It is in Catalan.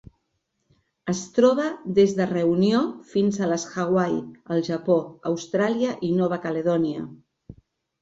Es troba des de Reunió fins a les Hawaii, el Japó, Austràlia i Nova Caledònia.